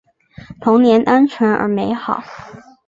童年单纯而美好